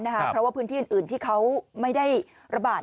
เพราะว่าพื้นที่อื่นที่เขาไม่ได้ระบาด